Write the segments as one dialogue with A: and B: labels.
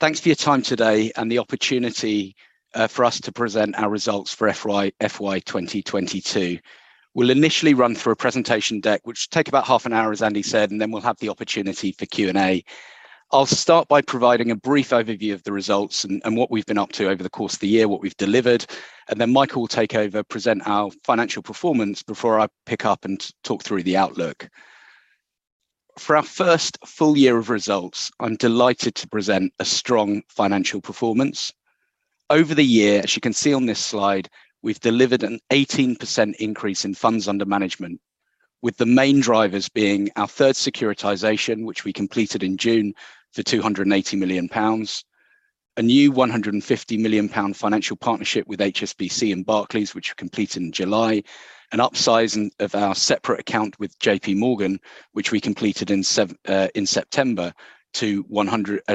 A: Thanks for your time today and the opportunity for us to present our results for FY 2022. We'll initially run through a presentation deck, which will take about half an hour, as Andy said, and then we'll have the opportunity for Q&A. I'll start by providing a brief overview of the results and what we've been up to over the course of the year, what we've delivered, and then Michael will take over, present our financial performance before I pick up and talk through the outlook. For our first full year of results, I'm delighted to present a strong financial performance. Over the year, as you can see on this slide, we've delivered an 18% increase in funds under management, with the main drivers being our third securitization, which we completed in June for 280 million pounds, a new 150 million pound financial partnership with HSBC and Barclays, which were completed in July, an upsizing of our separate account with JPMorgan, which we completed in September to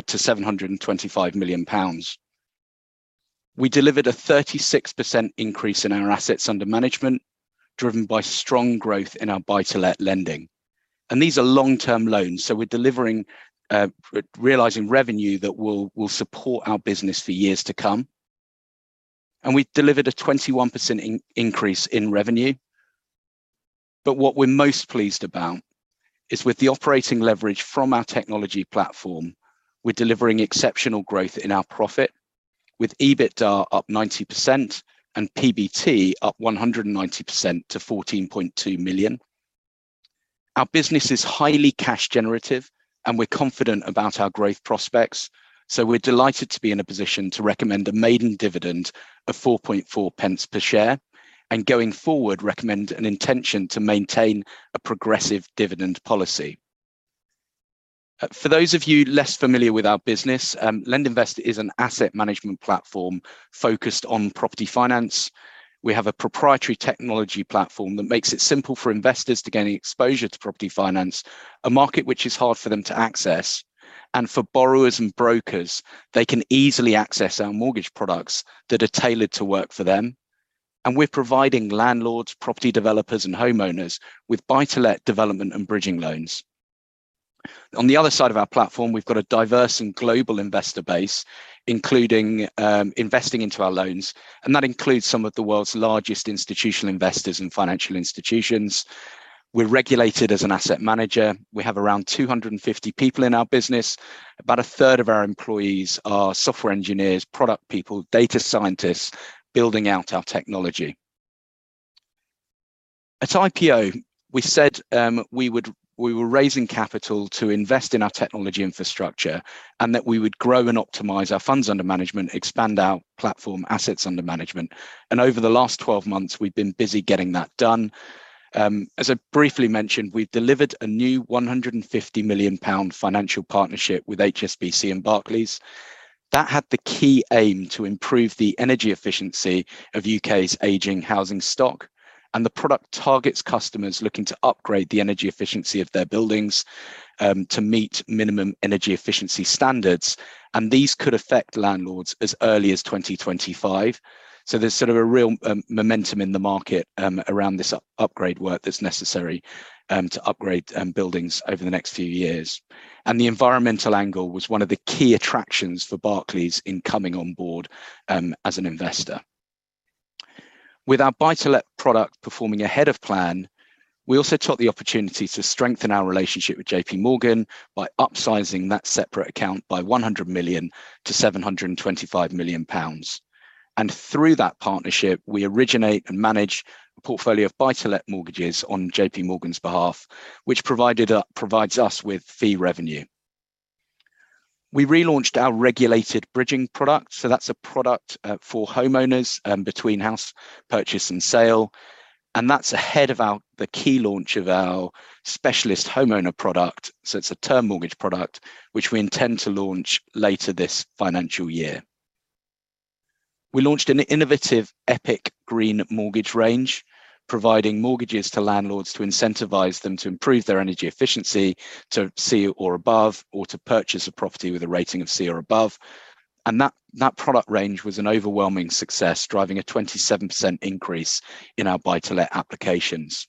A: 725 million pounds. We delivered a 36% increase in our assets under management, driven by strong growth in our buy-to-let lending. These are long-term loans, so we're delivering realizing revenue that will support our business for years to come. We delivered a 21% increase in revenue. What we're most pleased about is with the operating leverage from our technology platform, we're delivering exceptional growth in our profit, with EBITDA up 90% and PBT up 190% to 14.2 million. Our business is highly cash generative, and we're confident about our growth prospects, so we're delighted to be in a position to recommend a maiden dividend of 0.044 per share, and going forward, recommend an intention to maintain a progressive dividend policy. For those of you less familiar with our business, LendInvest is an asset management platform focused on property finance. We have a proprietary technology platform that makes it simple for investors to gain exposure to property finance, a market which is hard for them to access. For borrowers and brokers, they can easily access our mortgage products that are tailored to work for them. We're providing landlords, property developers and homeowners with buy-to-let development and bridging loans. On the other side of our platform, we've got a diverse and global investor base, including investing into our loans, and that includes some of the world's largest institutional investors and financial institutions. We're regulated as an asset manager. We have around 250 people in our business. About a third of our employees are software engineers, product people, data scientists building out our technology. At IPO, we said we were raising capital to invest in our technology infrastructure and that we would grow and optimize our funds under management, expand our platform assets under management. Over the last 12 months, we've been busy getting that done. As I briefly mentioned, we've delivered a new 150 million pound financial partnership with HSBC and Barclays. That had the key aim to improve the energy efficiency of U.K.'s aging housing stock and the product targets customers looking to upgrade the energy efficiency of their buildings to meet Minimum Energy Efficiency Standards. These could affect landlords as early as 2025. There's sort of a real momentum in the market around this upgrade work that's necessary to upgrade buildings over the next few years. The environmental angle was one of the key attractions for Barclays in coming on board as an investor. With our buy-to-let product performing ahead of plan, we also took the opportunity to strengthen our relationship with JPMorgan by upsizing that separate account by 100 million-725 million pounds. Through that partnership, we originate and manage a portfolio of buy-to-let mortgages on JPMorgan's behalf, which provides us with fee revenue. We relaunched our regulated bridging product, so that's a product for homeowners between house purchase and sale, and that's ahead of the key launch of our specialist homeowner product. It's a term mortgage product which we intend to launch later this financial year. We launched an innovative EPiC range, providing mortgages to landlords to incentivize them to improve their energy efficiency to C or above, or to purchase a property with a rating of C or above. That product range was an overwhelming success, driving a 27% increase in our buy-to-let applications.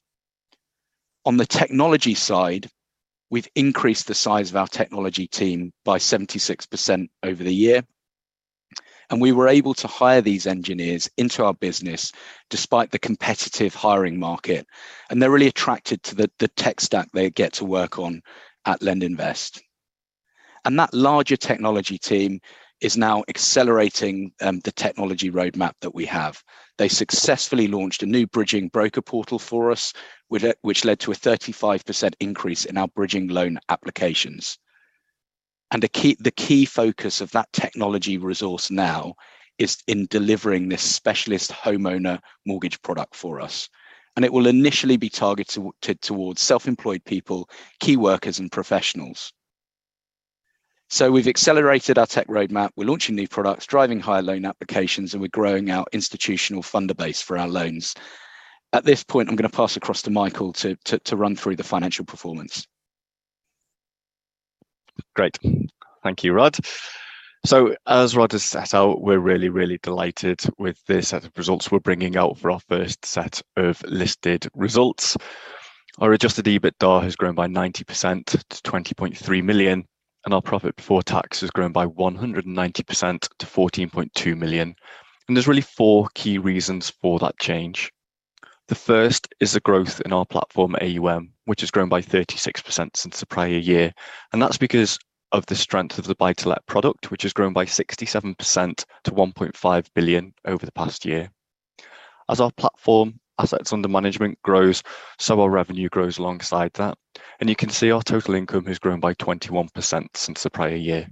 A: On the technology side, we've increased the size of our technology team by 76% over the year, and we were able to hire these engineers into our business despite the competitive hiring market. They're really attracted to the tech stack they get to work on at LendInvest. That larger technology team is now accelerating the technology roadmap that we have. They successfully launched a new bridging broker portal for us, which led to a 35% increase in our bridging loan applications. The key focus of that technology resource now is in delivering this specialist homeowner mortgage product for us. It will initially be targeted toward self-employed people, key workers and professionals. We've accelerated our tech roadmap. We're launching new products, driving higher loan applications, and we're growing our institutional funder base for our loans. At this point, I'm gonna pass across to Michael to run through the financial performance.
B: Great. Thank you, Rod. As Rod has set out, we're really, really delighted with the set of results we're bringing out for our first set of listed results. Our adjusted EBITDA has grown by 90% to 20.3 million, and our profit before tax has grown by 190% to 14.2 million. There's really four key reasons for that change. The first is the growth in our platform AUM, which has grown by 36% since the prior year. That's because of the strength of the buy-to-let product, which has grown by 67% to 1.5 billion over the past year. As our platform assets under management grows, so our revenue grows alongside that. You can see our total income has grown by 21% since the prior year.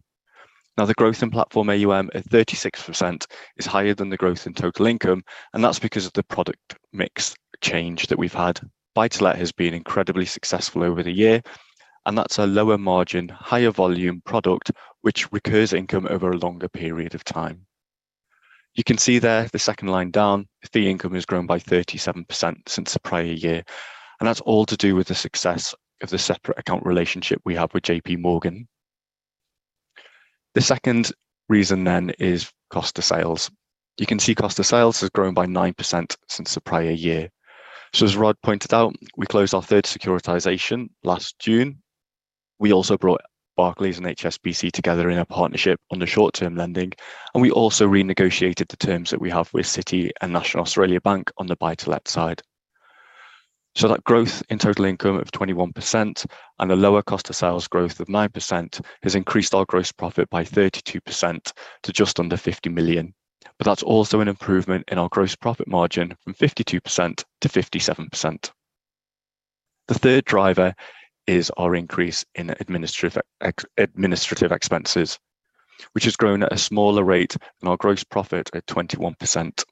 B: Now, the growth in platform AUM at 36% is higher than the growth in total income, and that's because of the product mix change that we've had. Buy-to-let has been incredibly successful over the year, and that's a lower margin, higher volume product which recurs income over a longer period of time. You can see there, the second line down, fee income has grown by 37% since the prior year. That's all to do with the success of the separate account relationship we have with JPMorgan. The second reason then is cost of sales. You can see cost of sales has grown by 9% since the prior year. As Rod pointed out, we closed our third securitization last June. We also brought Barclays and HSBC together in a partnership on the short-term lending. We also renegotiated the terms that we have with Citi and National Australia Bank on the buy-to-let side. That growth in total income of 21% and the lower cost of sales growth of 9% has increased our gross profit by 32% to just under 50 million. That's also an improvement in our gross profit margin from 52%-57%. The third driver is our increase in administrative expenses, which has grown at a smaller rate than our gross profit at 21%.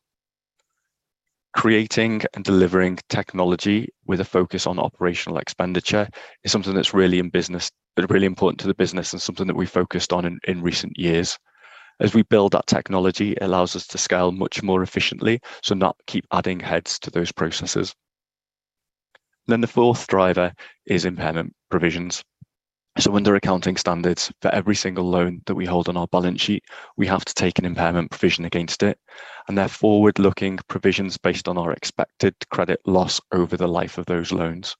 B: Creating and delivering technology with a focus on operational expenditure is something that's really important to the business and something that we focused on in recent years. As we build that technology, it allows us to scale much more efficiently, so not keep adding heads to those processes. The fourth driver is impairment provisions. Under accounting standards, for every single loan that we hold on our balance sheet, we have to take an impairment provision against it. They're forward-looking provisions based on our expected credit loss over the life of those loans.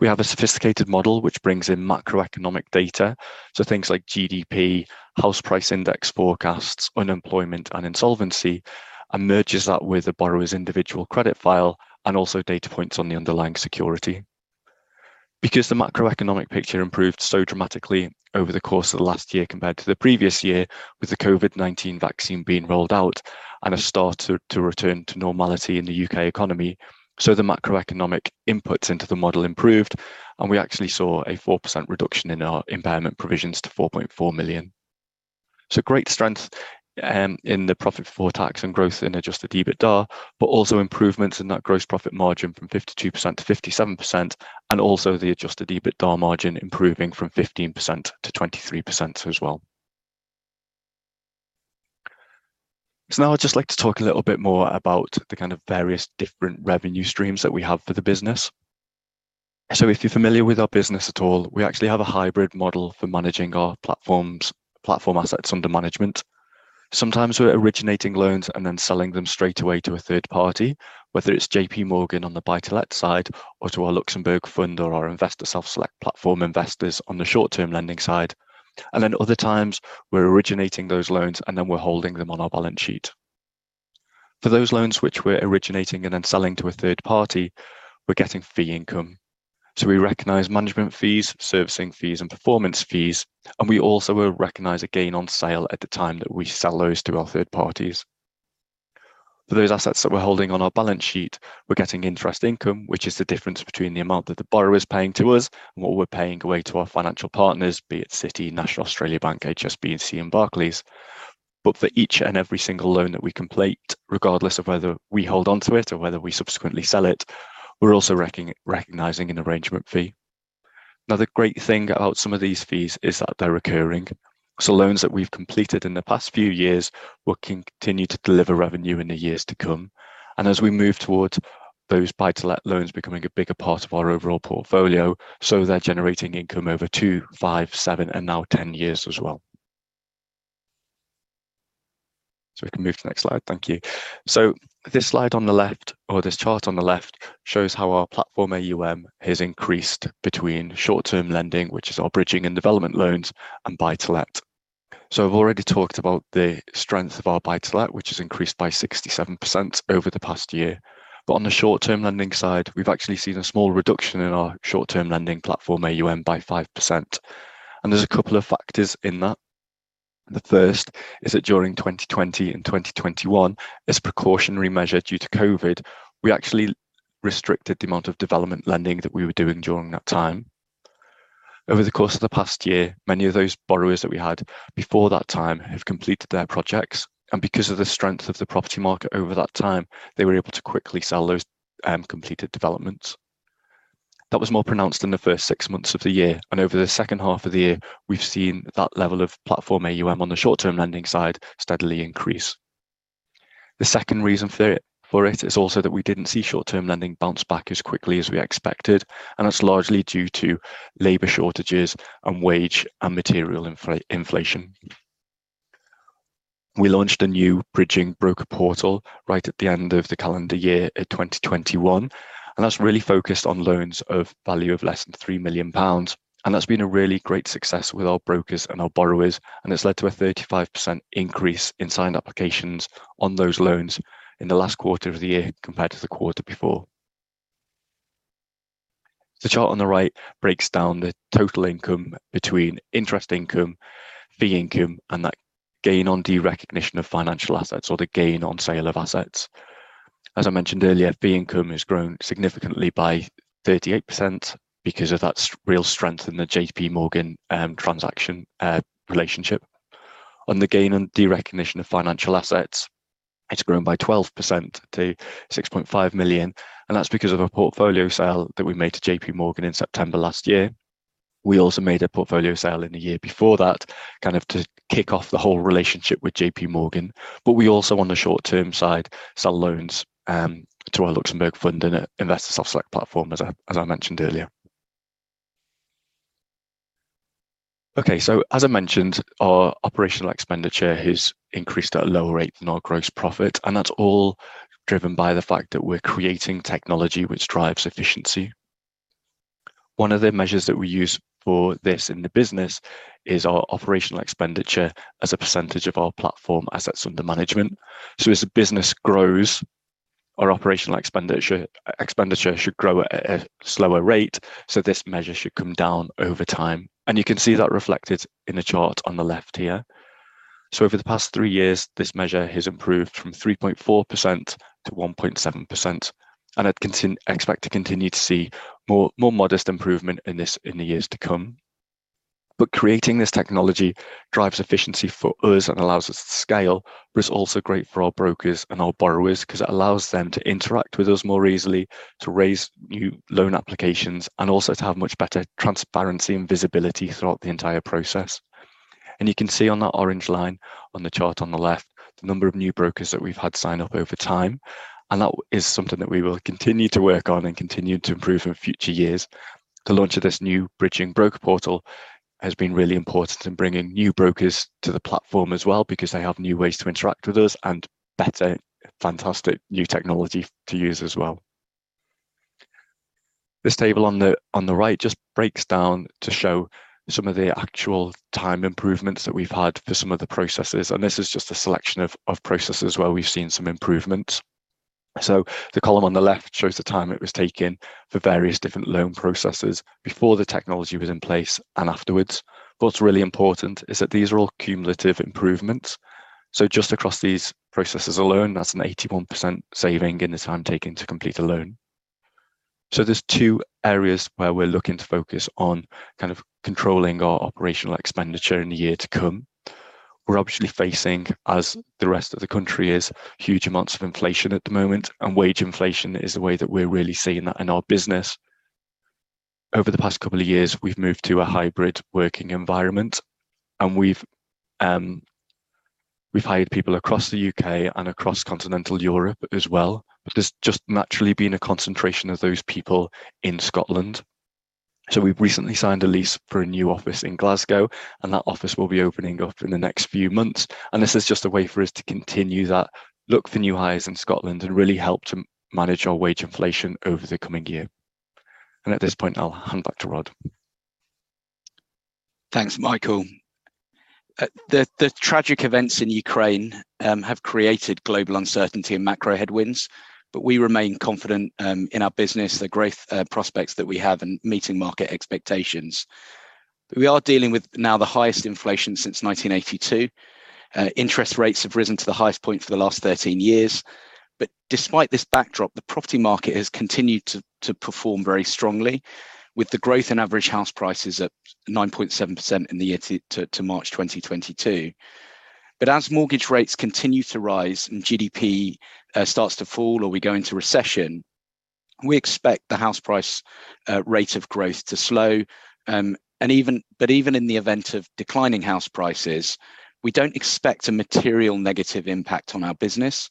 B: We have a sophisticated model which brings in macroeconomic data, so things like GDP, house price index forecasts, unemployment, and insolvency, and merges that with the borrower's individual credit file and also data points on the underlying security. Because the macroeconomic picture improved so dramatically over the course of the last year compared to the previous year, with the COVID-19 vaccine being rolled out and a start to return to normality in the U.K. economy, so the macroeconomic inputs into the model improved, and we actually saw a 4% reduction in our impairment provisions to 4.4 million. Great strength in the profit before tax and growth in adjusted EBITDA, but also improvements in that gross profit margin from 52%-57%, and also the adjusted EBITDA margin improving from 15%-23% as well. Now I'd just like to talk a little bit more about the kind of various different revenue streams that we have for the business. If you're familiar with our business at all, we actually have a hybrid model for managing our platforms, platform assets under management. Sometimes we're originating loans and then selling them straight away to a third party, whether it's JPMorgan on the buy-to-let side or to our Luxembourg fund or our investor self-select platform investors on the short-term lending side. Then other times, we're originating those loans, and then we're holding them on our balance sheet. For those loans which we're originating and then selling to a third party, we're getting fee income. We recognize management fees, servicing fees, and performance fees, and we also will recognize a gain on sale at the time that we sell those to our third parties. For those assets that we're holding on our balance sheet, we're getting interest income, which is the difference between the amount that the borrower is paying to us and what we're paying away to our financial partners, be it Citi, National Australia Bank, HSBC, and Barclays. For each and every single loan that we complete, regardless of whether we hold onto it or whether we subsequently sell it, we're also recognizing an arrangement fee. Now, the great thing about some of these fees is that they're recurring. Loans that we've completed in the past few years will continue to deliver revenue in the years to come. As we move towards those buy-to-let loans becoming a bigger part of our overall portfolio, so they're generating income over two, five, seven, and now 10 years as well. We can move to the next slide. Thank you. This slide on the left or this chart on the left shows how our platform AUM has increased between short-term lending, which is our bridging and development loans, and buy-to-let. I've already talked about the strength of our buy-to-let, which has increased by 67% over the past year. On the short-term lending side, we've actually seen a small reduction in our short-term lending platform AUM by 5%. There's a couple of factors in that. The first is that during 2020 and 2021, as a precautionary measure due to COVID, we actually restricted the amount of development lending that we were doing during that time. Over the course of the past year, many of those borrowers that we had before that time have completed their projects, and because of the strength of the property market over that time, they were able to quickly sell those completed developments. That was more pronounced in the first six months of the year, and over the second half of the year, we've seen that level of platform AUM on the short-term lending side steadily increase. The second reason for it is also that we didn't see short-term lending bounce back as quickly as we expected, and that's largely due to labor shortages and wage and material inflation. We launched a new bridging broker portal right at the end of the calendar year in 2021, and that's really focused on loans of value of less than 3 million pounds. That's been a really great success with our brokers and our borrowers, and it's led to a 35% increase in signed applications on those loans in the last quarter of the year compared to the quarter before. The chart on the right breaks down the total income between interest income, fee income, and that gain on derecognition of financial assets or the gain on sale of assets. As I mentioned earlier, fee income has grown significantly by 38% because of that real strength in the JPMorgan transaction relationship. On the gain on derecognition of financial assets, it's grown by 12% to 6.5 million, and that's because of a portfolio sale that we made to JPMorgan in September last year. We also made a portfolio sale in the year before that kind of to kick off the whole relationship with JPMorgan. We also on the short-term side sell loans to our Luxembourg fund and investor self-select platform as I mentioned earlier. Okay. As I mentioned, our operational expenditure has increased at a lower rate than our gross profit, and that's all driven by the fact that we're creating technology which drives efficiency. One of the measures that we use for this in the business is our operational expenditure as a percentage of our platform assets under management. As the business grows, our operational expenditure should grow at a slower rate, so this measure should come down over time. You can see that reflected in the chart on the left here. Over the past three years, this measure has improved from 3.4%-1.7%, and I'd expect to continue to see more modest improvement in this in the years to come. Creating this technology drives efficiency for us and allows us to scale, but it's also great for our brokers and our borrowers 'cause it allows them to interact with us more easily to raise new loan applications and also to have much better transparency and visibility throughout the entire process. You can see on that orange line on the chart on the left the number of new brokers that we've had sign up over time, and that is something that we will continue to work on and continue to improve in future years. The launch of this new bridging broker portal has been really important in bringing new brokers to the platform as well because they have new ways to interact with us and better, fantastic new technology to use as well. This table on the right just breaks down to show some of the actual time improvements that we've had for some of the processes, and this is just a selection of processes where we've seen some improvements. The column on the left shows the time it was taking for various different loan processes before the technology was in place and afterwards. What's really important is that these are all cumulative improvements, so just across these processes alone, that's an 81% saving in the time taken to complete a loan. There's two areas where we're looking to focus on kind of controlling our operational expenditure in the year to come. We're obviously facing, as the rest of the country is, huge amounts of inflation at the moment, and wage inflation is the way that we're really seeing that in our business. Over the past couple of years, we've moved to a hybrid working environment, and we've hired people across the U.K. and across continental Europe as well. There's just naturally been a concentration of those people in Scotland. We've recently signed a lease for a new office in Glasgow, and that office will be opening up in the next few months. This is just a way for us to continue that look for new hires in Scotland and really help to manage our wage inflation over the coming year. At this point, I'll hand back to Rod.
A: Thanks, Michael. The tragic events in Ukraine have created global uncertainty and macro headwinds, but we remain confident in our business, the growth prospects that we have in meeting market expectations. We are dealing with now the highest inflation since 1982. Interest rates have risen to the highest point for the last 13 years. Despite this backdrop, the property market has continued to perform very strongly with the growth in average house prices at 9.7% in the year to March 2022. As mortgage rates continue to rise and GDP starts to fall or we go into recession, we expect the house price rate of growth to slow. Even in the event of declining house prices, we don't expect a material negative impact on our business,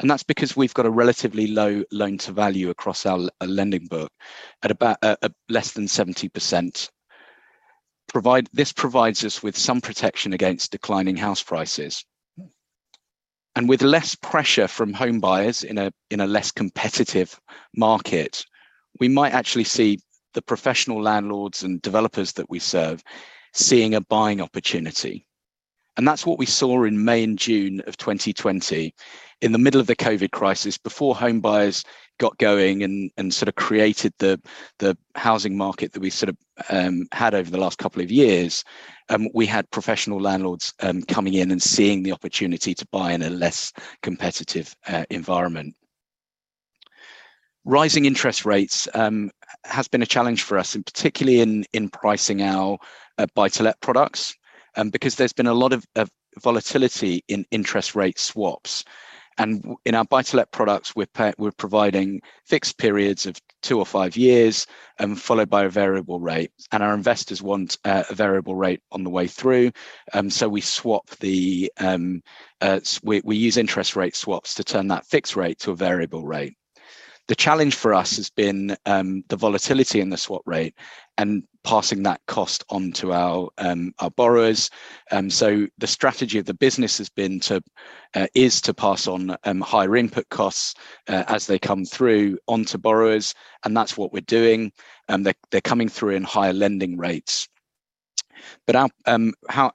A: and that's because we've got a relatively low loan-to-value across our lending book at about less than 70%. This provides us with some protection against declining house prices. With less pressure from home buyers in a less competitive market, we might actually see the professional landlords and developers that we serve seeing a buying opportunity. That's what we saw in May and June of 2020. In the middle of the COVID crisis, before home buyers got going and sort of created the housing market that we sort of had over the last couple of years, we had professional landlords coming in and seeing the opportunity to buy in a less competitive environment. Rising interest rates has been a challenge for us and particularly in pricing our buy-to-let products because there's been a lot of volatility in interest rate swaps. In our buy-to-let products we're providing fixed periods of two or five years followed by a variable rate. Our investors want a variable rate on the way through so we use interest rate swaps to turn that fixed rate to a variable rate. The challenge for us has been the volatility in the swap rate and passing that cost on to our borrowers. The strategy of the business is to pass on higher input costs as they come through onto borrowers and that's what we're doing. They're coming through in higher lending rates. Our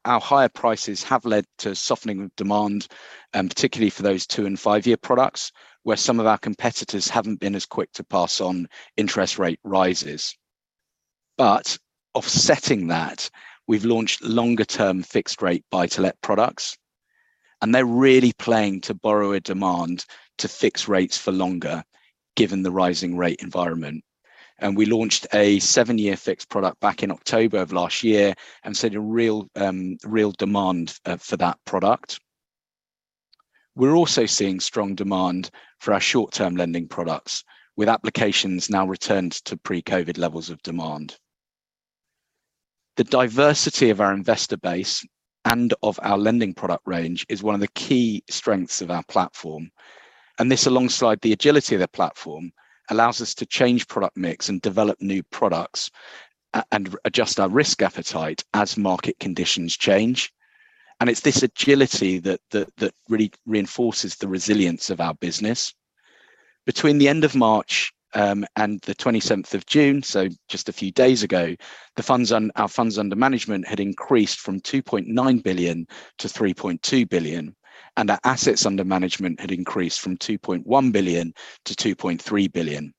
A: higher prices have led to softening of demand, particularly for those two- and five-year products, where some of our competitors haven't been as quick to pass on interest rate rises. Offsetting that, we've launched longer-term fixed rate buy-to-let products, and they're really playing to borrower demand to fix rates for longer given the rising rate environment. We launched a seven-year fixed product back in October of last year and have seen a real demand for that product. We're also seeing strong demand for our short-term lending products, with applications now returned to pre-COVID levels of demand. The diversity of our investor base and of our lending product range is one of the key strengths of our platform. This, alongside the agility of the platform, allows us to change product mix and develop new products and adjust our risk appetite as market conditions change. It's this agility that really reinforces the resilience of our business. Between the end of March and the 27th of June, so just a few days ago, our funds under management had increased from 2.9 billion-3.2 billion, and our assets under management had increased from 2.1 billion-2.3 billion.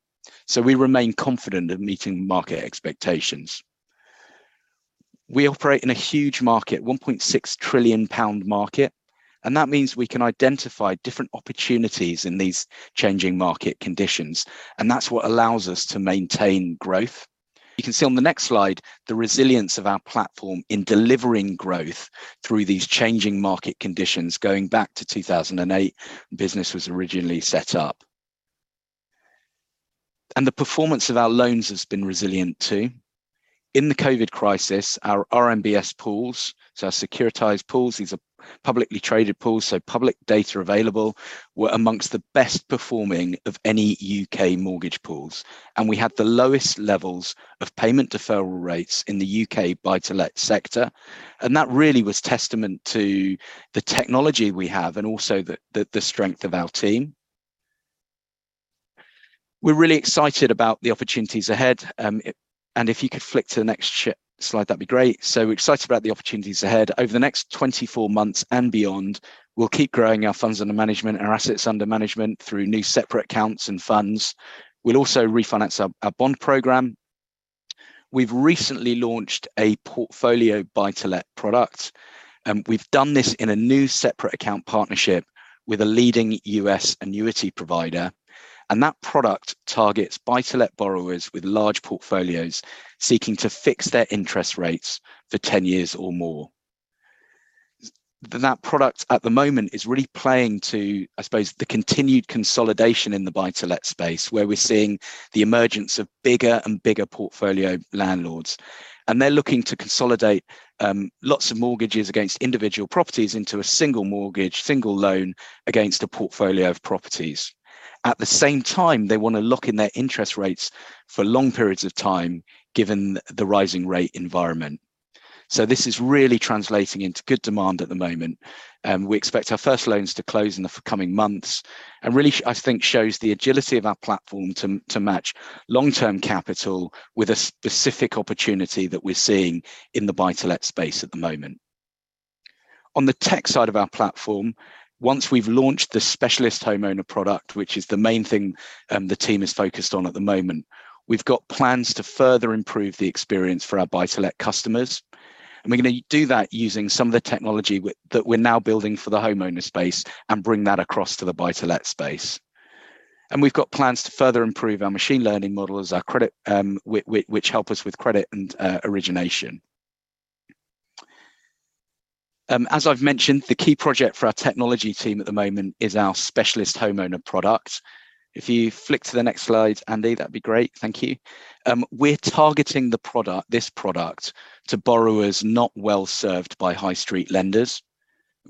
A: We remain confident of meeting market expectations. We operate in a huge market, 1.6 trillion pound market, and that means we can identify different opportunities in these changing market conditions, and that's what allows us to maintain growth. You can see on the next slide the resilience of our platform in delivering growth through these changing market conditions going back to 2008, the business was originally set up. The performance of our loans has been resilient too. In the COVID crisis, our RMBS pools, so our securitized pools, these are publicly traded pools, so public data available, were among the best performing of any UK mortgage pools. We had the lowest levels of payment deferral rates in the UK buy-to-let sector. That really was testament to the technology we have and also the strength of our team. We're really excited about the opportunities ahead. If you could flick to the next slide, that'd be great. We're excited about the opportunities ahead. Over the next 24 months and beyond, we'll keep growing our funds under management and our assets under management through new separate accounts and funds. We'll also refinance our bond program. We've recently launched a portfolio buy-to-let product, we've done this in a new separate account partnership with a leading US annuity provider. That product targets buy-to-let borrowers with large portfolios seeking to fix their interest rates for 10 years or more. That product at the moment is really playing to, I suppose, the continued consolidation in the buy-to-let space, where we're seeing the emergence of bigger and bigger portfolio landlords. They're looking to consolidate, lots of mortgages against individual properties into a single mortgage, single loan against a portfolio of properties. At the same time, they want to lock in their interest rates for long periods of time, given the rising rate environment. This is really translating into good demand at the moment, we expect our first loans to close in the coming months. This really I think shows the agility of our platform to match long-term capital with a specific opportunity that we're seeing in the buy-to-let space at the moment. On the tech side of our platform, once we've launched the specialist homeowner product, which is the main thing the team is focused on at the moment, we've got plans to further improve the experience for our buy-to-let customers. We're gonna do that using some of the technology that we're now building for the homeowner space and bring that across to the buy-to-let space. We've got plans to further improve our machine learning models, our credit, which help us with credit and origination. As I've mentioned, the key project for our technology team at the moment is our specialist homeowner product. If you flick to the next slide, Andy, that'd be great. Thank you. We're targeting the product, this product to borrowers not well served by high street lenders.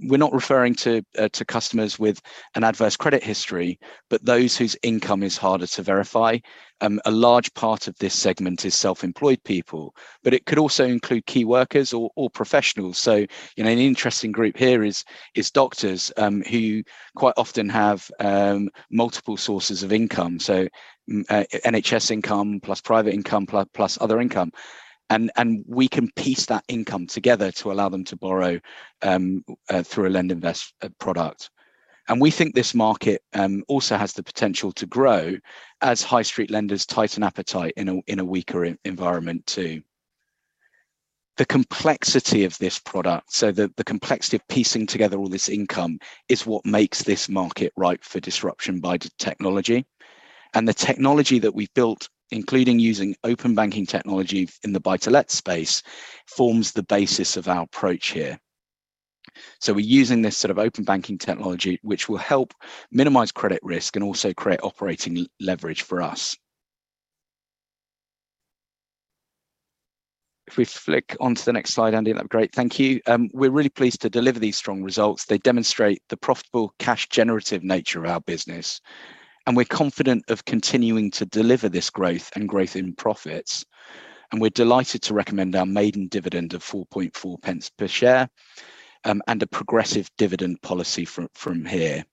A: We're not referring to customers with an adverse credit history, but those whose income is harder to verify. A large part of this segment is self-employed people, but it could also include key workers or professionals. You know, an interesting group here is doctors, who quite often have multiple sources of income. NHS income plus private income plus other income. We can piece that income together to allow them to borrow through a LendInvest product. We think this market also has the potential to grow as high street lenders tighten appetite in a weaker environment too. The complexity of this product, the complexity of piecing together all this income is what makes this market ripe for disruption by the technology. The technology that we've built, including using Open Banking technology in the buy-to-let space, forms the basis of our approach here. We're using this sort of Open Banking technology, which will help minimize credit risk and also create operating leverage for us. If we flick onto the next slide, Andy, that'd be great. Thank you. We're really pleased to deliver these strong results. They demonstrate the profitable cash generative nature of our business, and we're confident of continuing to deliver this growth and growth in profits. We're delighted to recommend our maiden dividend of 0.044 per share, and a progressive dividend policy from here.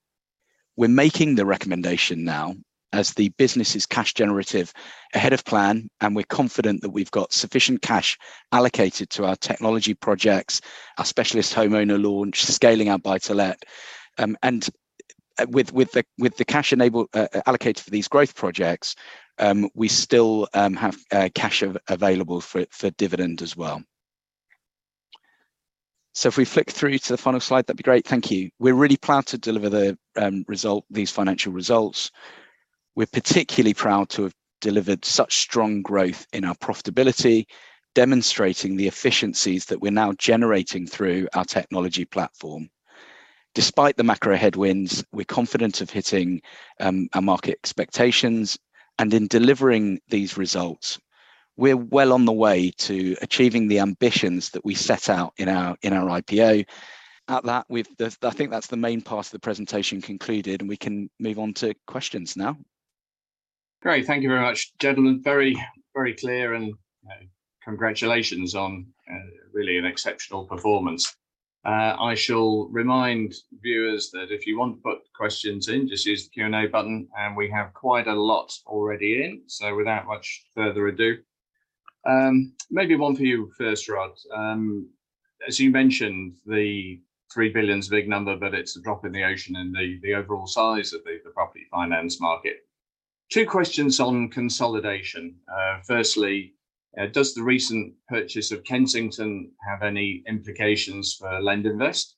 A: We're making the recommendation now as the business is cash generative ahead of plan, and we're confident that we've got sufficient cash allocated to our technology projects, our specialist homeowner launch, scaling out buy-to-let. With the cash allocated for these growth projects, we still have cash available for dividend as well. If we flick through to the final slide, that'd be great. Thank you. We're really proud to deliver these financial results. We're particularly proud to have delivered such strong growth in our profitability, demonstrating the efficiencies that we're now generating through our technology platform. Despite the macro headwinds, we're confident of hitting our market expectations and in delivering these results. We're well on the way to achieving the ambitions that we set out in our IPO. At that, I think that's the main part of the presentation concluded, and we can move on to questions now.
C: Great. Thank you very much, gentlemen. Very, very clear and, congratulations on, really an exceptional performance. I shall remind viewers that if you want to put questions in, just use the Q&A button, and we have quite a lot already in. Without much further ado, maybe one for you first, Rod. As you mentioned, the 3 billion is a big number, but it's a drop in the ocean in the overall size of the property finance market. Two questions on consolidation. Firstly, does the recent purchase of Kensington have any implications for LendInvest?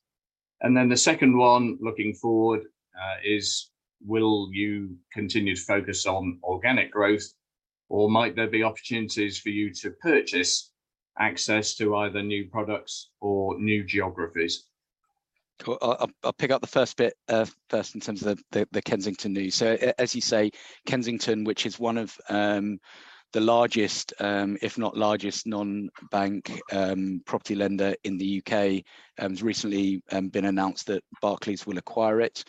C: And then the second one looking forward, is will you continue to focus on organic growth, or might there be opportunities for you to purchase access to either new products or new geographies?
A: I'll pick up the first bit, first in terms of the Kensington news. As you say, Kensington, which is one of the largest, if not largest non-bank property lender in the U.K., has recently been announced that Barclays will acquire it.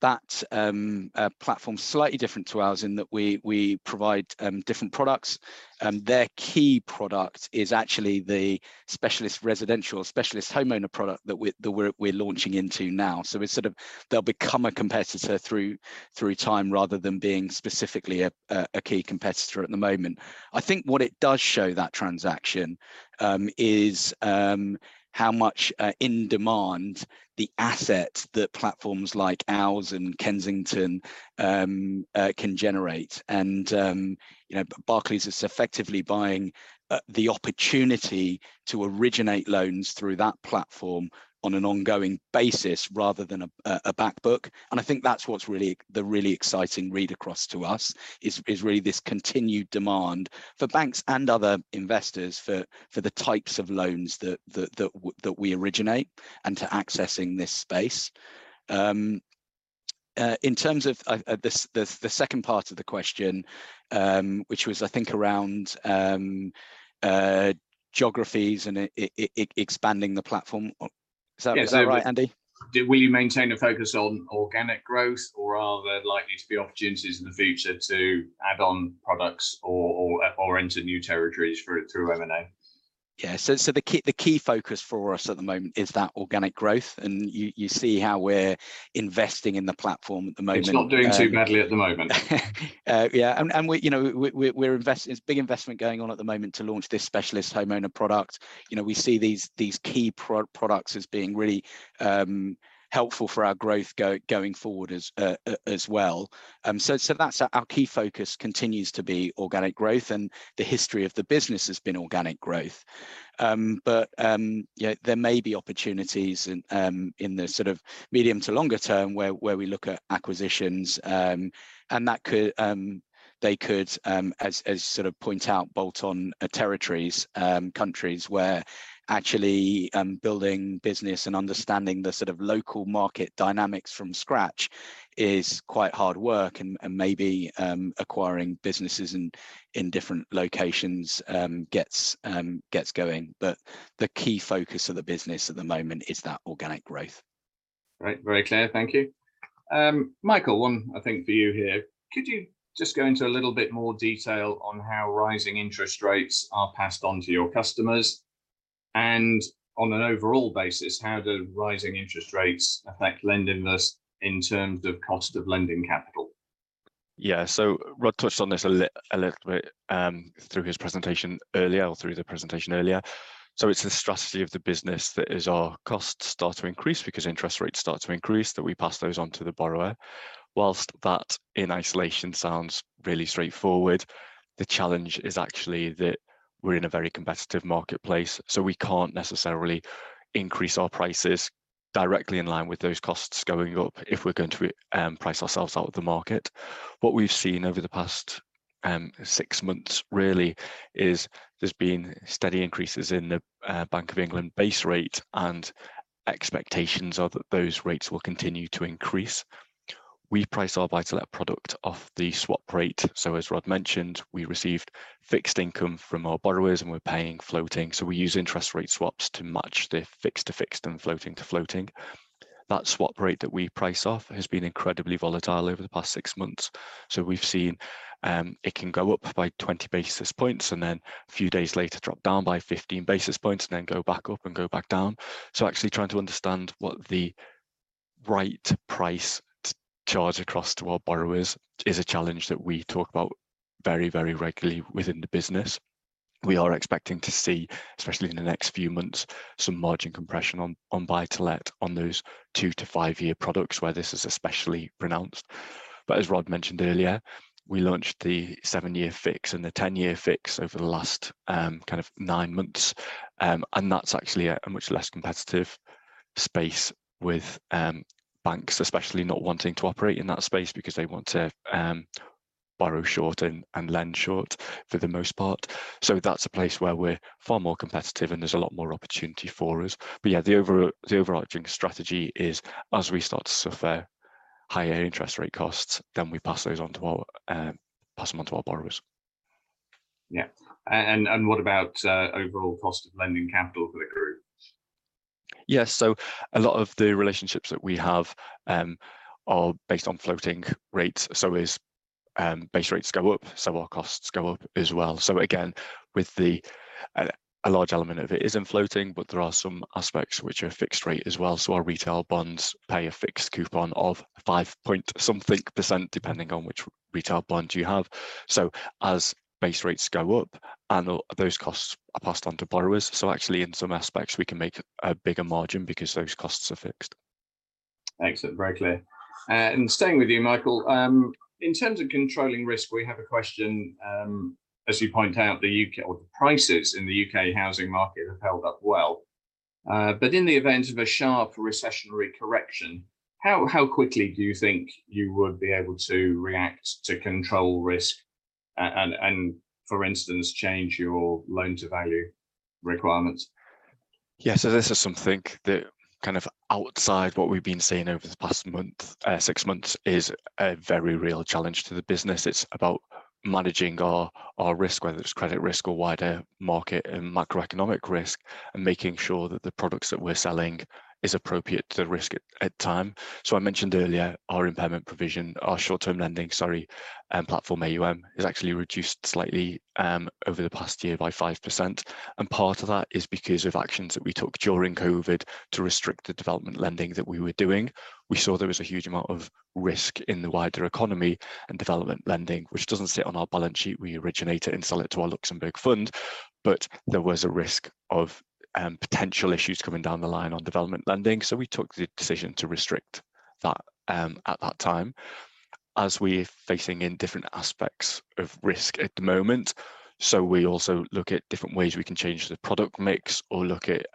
A: That platform's slightly different to ours in that we provide different products. Their key product is actually the specialist residential, specialist homeowner product that we're launching into now. It's sort of they'll become a competitor through time rather than being specifically a key competitor at the moment. I think what it does show that transaction is how much in demand the asset that platforms like ours and Kensington can generate. You know, Barclays is effectively buying the opportunity to originate loans through that platform on an ongoing basis rather than a back book. I think that's what's really the exciting read across to us is really this continued demand for banks and other investors for the types of loans that we originate and to accessing this space. In terms of the second part of the question, which was I think around geographies and expanding the platform. Is that right, Andy?
C: Yeah. Will you maintain a focus on organic growth or are there likely to be opportunities in the future to add on products or enter new territories through M&A?
A: Yeah. The key focus for us at the moment is that organic growth. You see how we're investing in the platform at the moment.
C: It's not doing too badly at the moment.
A: Yeah, you know, there's big investment going on at the moment to launch this specialist homeowner product. You know, we see these key products as being really helpful for our growth going forward as well. That's our key focus continues to be organic growth, and the history of the business has been organic growth. You know, there may be opportunities in the sort of medium to longer term where we look at acquisitions. They could as sort of bolt-on territories, countries where actually building business and understanding the sort of local market dynamics from scratch is quite hard work and maybe acquiring businesses in different locations gets going. The key focus of the business at the moment is that organic growth.
C: Right. Very clear. Thank you. Michael, one I think for you here. Could you just go into a little bit more detail on how rising interest rates are passed on to your customers? On an overall basis, how do rising interest rates affect LendInvest in terms of cost of lending capital?
B: Yeah. Rod touched on this a little bit through his presentation earlier or through the presentation earlier. It's the strategy of the business that as our costs start to increase because interest rates start to increase, that we pass those on to the borrower. While that in isolation sounds really straightforward, the challenge is actually that we're in a very competitive marketplace, so we can't necessarily increase our prices directly in line with those costs going up if we're going to price ourselves out of the market. What we've seen over the past six months really is there's been steady increases in the Bank of England base rate and expectations are that those rates will continue to increase. We price our buy-to-let product off the swap rate. As Rod mentioned, we received fixed income from our borrowers and we're paying floating. We use interest rate swaps to match the fixed to fixed and floating to floating. That swap rate that we price off has been incredibly volatile over the past six months. We've seen, it can go up by 20 basis points and then a few days later drop down by 15 basis points and then go back up and go back down. Actually trying to understand what the right price to charge across to our borrowers is a challenge that we talk about very, very regularly within the business. We are expecting to see, especially in the next few months, some margin compression on buy-to-let on those 2-5-year products where this is especially pronounced. As Rod mentioned earlier, we launched the seven-year fix and the 10-year fix over the last, kind of nine months. That's actually a much less competitive space with banks especially not wanting to operate in that space because they want to borrow short and lend short for the most part. That's a place where we're far more competitive and there's a lot more opportunity for us. Yeah, the overarching strategy is as we start to suffer higher interest rate costs, then we pass those on to our borrowers.
C: What about overall cost of lending capital for the group?
B: Yeah. A lot of the relationships that we have are based on floating rates. As base rates go up, so our costs go up as well. Again, with a large element of it isn't floating, but there are some aspects which are fixed rate as well. Our retail bonds pay a fixed coupon of 5.something%, depending on which retail bond you have. As base rates go up and those costs are passed on to borrowers. Actually in some aspects we can make a bigger margin because those costs are fixed.
C: Excellent. Very clear. Staying with you, Michael, in terms of controlling risk, we have a question. As you point out, the U.K., the prices in the U.K. housing market have held up well. In the event of a sharp recessionary correction, how quickly do you think you would be able to react to control risk and for instance, change your loan to value requirements?
B: Yeah. This is something that kind of outside what we've been seeing over the past month, six months is a very real challenge to the business. It's about managing our risk, whether it's credit risk or wider market and macroeconomic risk, and making sure that the products that we're selling is appropriate to the risk at time. I mentioned earlier our impairment provision, our short term lending platform AUM has actually reduced slightly over the past year by 5%. Part of that is because of actions that we took during COVID to restrict the development lending that we were doing. We saw there was a huge amount of risk in the wider economy and development lending, which doesn't sit on our balance sheet. We originate it and sell it to our Luxembourg fund. There was a risk of potential issues coming down the line on development lending. We took the decision to restrict that at that time. As we're facing in different aspects of risk at the moment, so we also look at different ways we can change the product mix or look at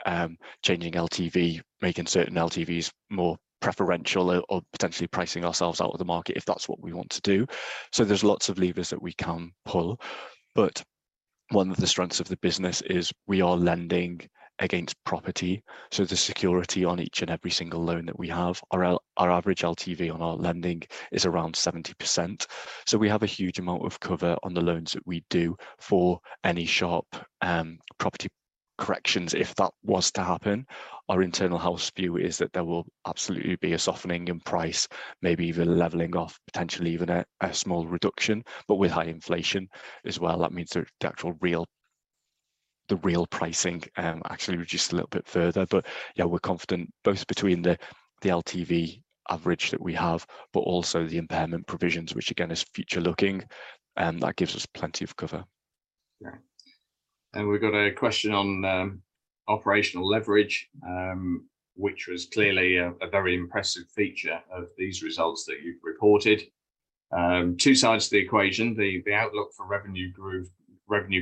B: changing LTV, making certain LTVs more preferential or potentially pricing ourselves out of the market if that's what we want to do. There's lots of levers that we can pull, but one of the strengths of the business is we are lending against property, so there's security on each and every single loan that we have. Our average LTV on our lending is around 70%. We have a huge amount of cover on the loans that we do for any sharp property corrections if that was to happen. Our internal house view is that there will absolutely be a softening in price, maybe even a leveling off, potentially even a small reduction, but with high inflation as well. That means the actual real pricing actually reduced a little bit further. Yeah, we're confident both between the LTV average that we have, but also the impairment provisions which again is forward-looking that gives us plenty of cover.
C: Great. We've got a question on operational leverage, which was clearly a very impressive feature of these results that you've reported. Two sides to the equation. The outlook for revenue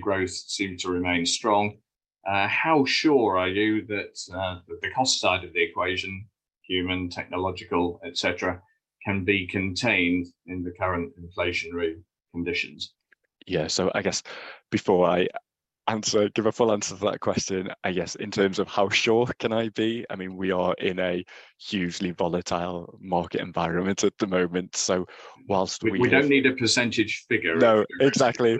C: growth seemed to remain strong. How sure are you that the cost side of the equation, human, technological, et cetera, can be contained in the current inflationary conditions?
B: Yeah. I guess before I answer, give a full answer to that question, I guess in terms of how sure can I be, I mean, we are in a hugely volatile market environment at the moment. While we-
C: We don't need a percentage figure.
B: No, exactly.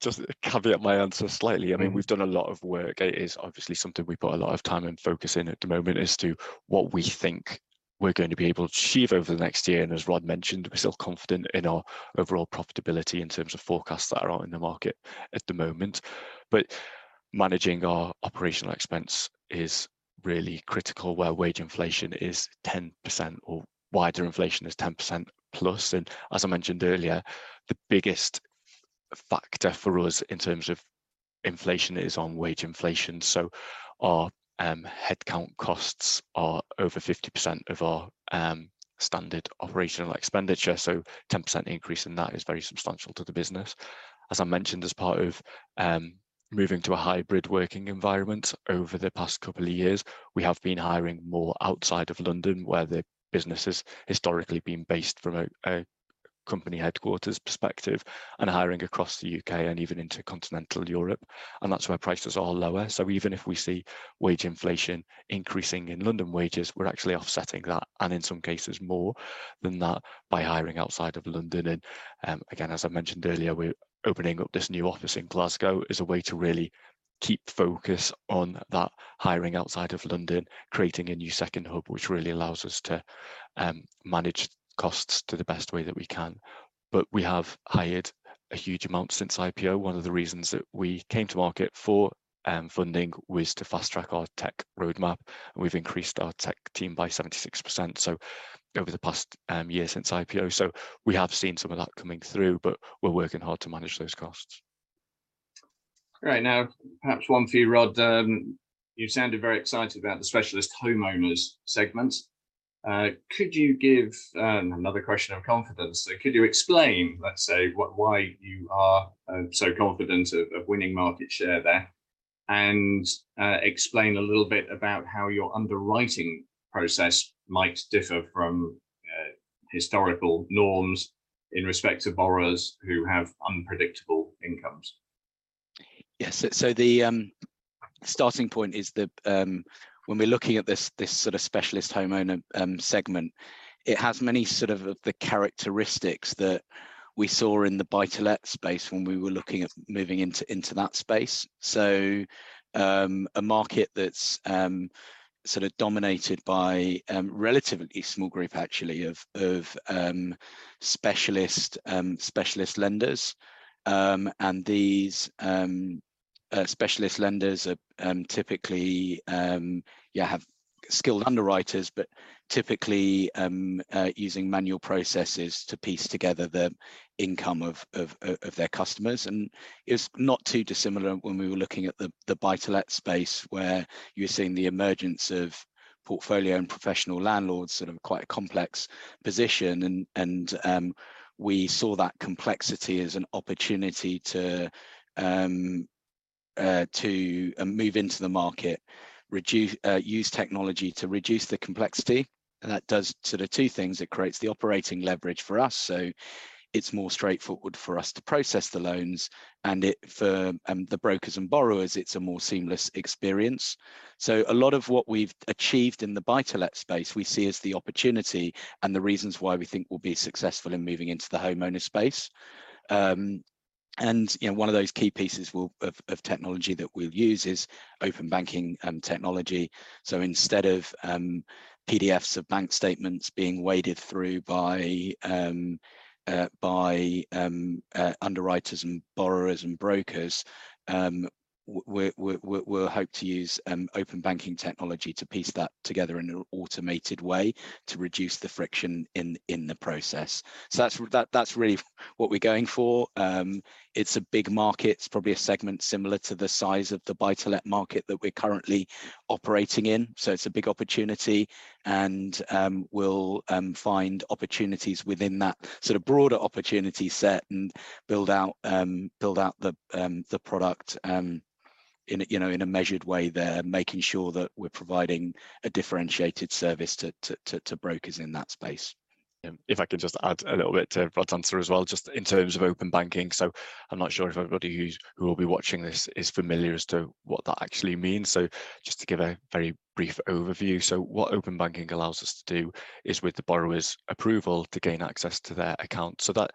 B: Just to caveat my answer slightly, I mean, we've done a lot of work. It is obviously something we put a lot of time and focus in at the moment as to what we think we're going to be able to achieve over the next year. As Rod mentioned, we're still confident in our overall profitability in terms of forecasts that are out in the market at the moment. Managing our operational expense is really critical, where wage inflation is 10% or wider inflation is 10%+. As I mentioned earlier, the biggest factor for us in terms of inflation is on wage inflation. Our headcount costs are over 50% of our standard operational expenditure. 10% increase in that is very substantial to the business. As I mentioned, as part of moving to a hybrid working environment over the past couple of years, we have been hiring more outside of London, where the business has historically been based from a company headquarters perspective and hiring across the U.K. and even into continental Europe, and that's where prices are lower. Even if we see wage inflation increasing in London wages, we're actually offsetting that and in some cases more than that by hiring outside of London. Again, as I mentioned earlier, we're opening up this new office in Glasgow as a way to really keep focus on that hiring outside of London, creating a new second hub, which really allows us to manage costs to the best way that we can. We have hired a huge amount since IPO. One of the reasons that we came to market for funding was to fast-track our tech roadmap, and we've increased our tech team by 76%, so over the past year since IPO. We have seen some of that coming through, but we're working hard to manage those costs.
C: Right. Now perhaps one for you, Rod. You sounded very excited about the specialist homeowners segment. Could you give another vote of confidence? Could you explain why you are so confident of winning market share there and explain a little bit about how your underwriting process might differ from historical norms in respect to borrowers who have unpredictable incomes?
A: Yes. The starting point is that, when we're looking at this sort of specialist homeowner segment, it has many sort of the characteristics that we saw in the buy-to-let space when we were looking at moving into that space. A market that's sort of dominated by relatively small group actually of specialist lenders. These specialist lenders are typically have skilled underwriters, but typically using manual processes to piece together the income of their customers. It's not too dissimilar when we were looking at the buy-to-let space where you're seeing the emergence of portfolio and professional landlords sort of quite a complex position. We saw that complexity as an opportunity to move into the market, use technology to reduce the complexity. That does sort of two things. It creates the operating leverage for us, so it's more straightforward for us to process the loans and it for the brokers and borrowers, it's a more seamless experience. A lot of what we've achieved in the buy-to-let space, we see as the opportunity and the reasons why we think we'll be successful in moving into the homeowner space. You know, one of those key pieces of technology that we'll use is Open Banking technology. Instead of PDFs of bank statements being waded through by underwriters and borrowers and brokers, we'll hope to use Open Banking technology to piece that together in an automated way to reduce the friction in the process. That's really what we're going for. It's a big market. It's probably a segment similar to the size of the buy-to-let market that we're currently operating in. It's a big opportunity and we'll find opportunities within that sort of broader opportunity set and build out the product, you know, in a measured way there, making sure that we're providing a differentiated service to brokers in that space.
B: If I can just add a little bit to Rod's answer as well, just in terms of Open Banking. I'm not sure if everybody who's who will be watching this is familiar as to what that actually means, so just to give a very brief overview. What Open Banking allows us to do is with the borrower's approval to gain access to their account. That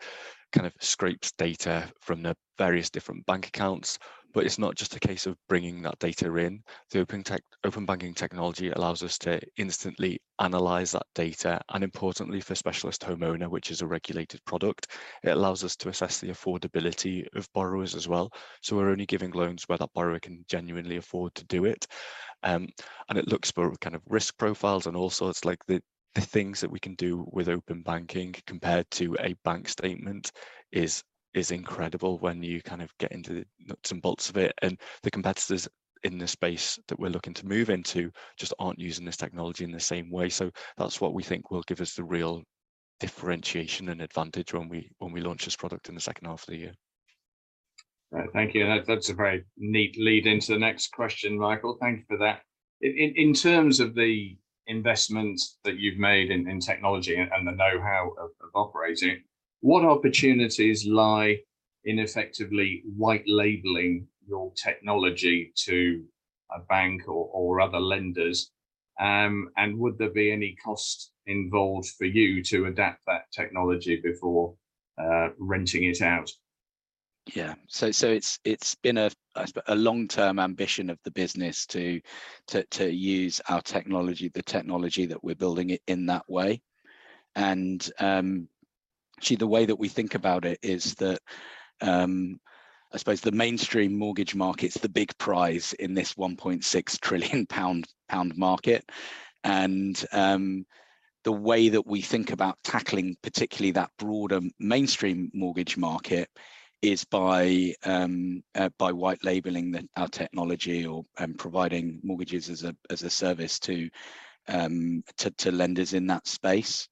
B: kind of scrapes data from the various different bank accounts, but it's not just a case of bringing that data in. Open Banking technology allows us to instantly analyze that data, and importantly for specialist homeowner, which is a regulated product, it allows us to assess the affordability of borrowers as well. We're only giving loans where that borrower can genuinely afford to do it. And it looks for kind of risk profiles and all sorts. Like, the things that we can do with Open Banking compared to a bank statement is incredible when you kind of get into the nuts and bolts of it. The competitors in the space that we're looking to move into just aren't using this technology in the same way. That's what we think will give us the real differentiation and advantage when we launch this product in the second half of the year.
C: Right. Thank you. That that's a very neat lead into the next question, Michael. Thank you for that. In terms of the investments that you've made in technology and the knowhow of operating, what opportunities lie in effectively white labeling your technology to a bank or other lenders? And would there be any cost involved for you to adapt that technology before renting it out?
A: It's been, I suppose, a long-term ambition of the business to use our technology, the technology that we're building in that way. Actually the way that we think about it is that, I suppose the mainstream mortgage market's the big prize in this 1.6 trillion pound market. The way that we think about tackling particularly that broader mainstream mortgage market is by white labeling our technology or and providing mortgages as a service to lenders in that space.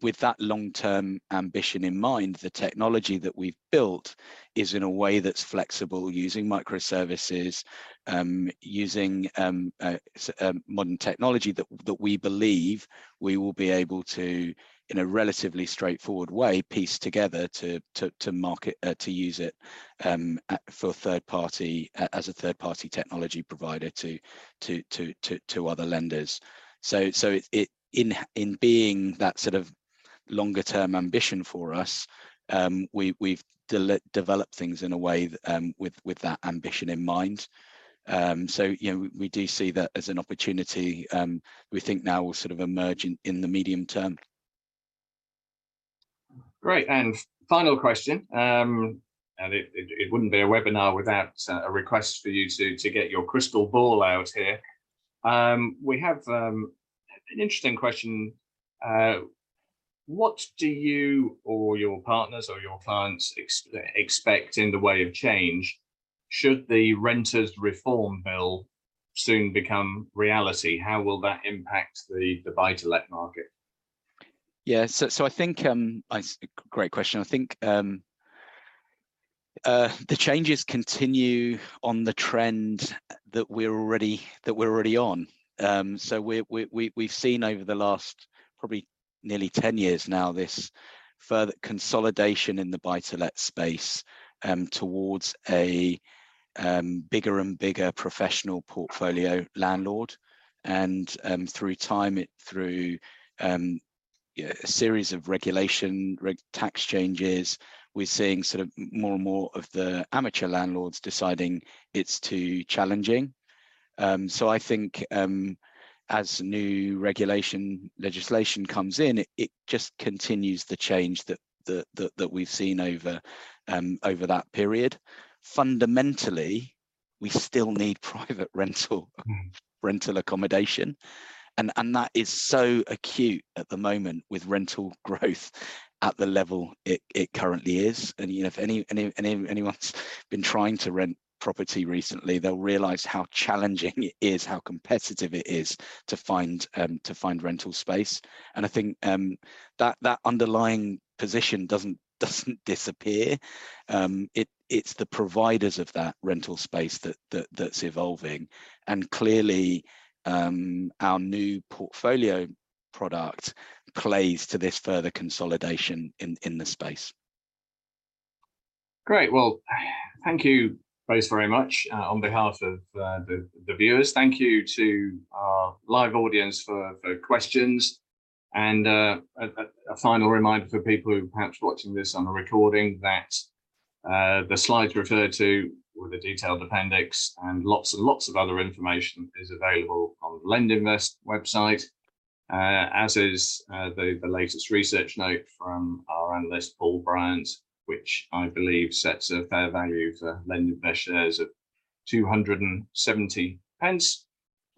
A: With that long-term ambition in mind, the technology that we've built is in a way that's flexible using microservices, using modern technology that we believe we will be able to, in a relatively straightforward way, piece together to use it as a third party technology provider to other lenders. In being that sort of longer term ambition for us, we've developed things in a way with that ambition in mind. You know, we do see that as an opportunity, we think now will sort of emerge in the medium term.
C: Great. Final question. It wouldn't be a webinar without a request for you to get your crystal ball out here. We have an interesting question. What do you or your partners or your clients expect in the way of change should the Renters (Reform) Bill soon become reality? How will that impact the buy-to-let market?
A: Yeah. Great question. I think the changes continue on the trend that we're already on. We've seen over the last probably nearly 10 years now this further consolidation in the buy-to-let space towards a bigger and bigger professional portfolio landlord. Through time, through a series of regulatory tax changes, we're seeing sort of more and more of the amateur landlords deciding it's too challenging. I think as new regulatory legislation comes in, it just continues the change that we've seen over that period. Fundamentally, we still need private rental accommodation. That is so acute at the moment with rental growth at the level it currently is. You know, if anyone's been trying to rent property recently, they'll realize how challenging it is, how competitive it is to find rental space. I think that underlying position doesn't disappear. It's the providers of that rental space that's evolving. Clearly, our new portfolio product plays to this further consolidation in the space.
C: Great. Well, thank you both very much on behalf of the viewers. Thank you to our live audience for questions. Final reminder for people who are perhaps watching this on a recording that the slides referred to with a detailed appendix and lots and lots of other information is available on the LendInvest website. As is, the latest research note from our analyst, Paul Bryant, which I believe sets a fair value for LendInvest shares at 2.70.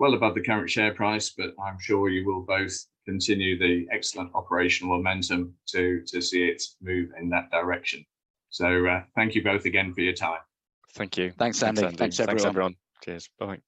C: Well above the current share price, but I'm sure you will both continue the excellent operational momentum to see it move in that direction. Thank you both again for your time.
B: Thank you.
A: Thanks, Andy.
B: Thanks, everyone.
A: Thanks, everyone.
B: Cheers. Bye.